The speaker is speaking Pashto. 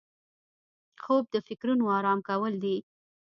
خوب د فکرونو آرام کول دي